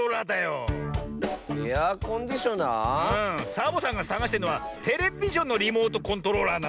サボさんがさがしてんのはテレビジョンのリモートコントローラーなのに。